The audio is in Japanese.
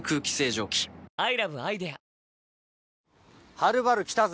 はるばる来たぜ。